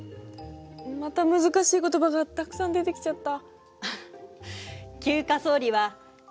また難しい言葉がたくさん出てきちゃった。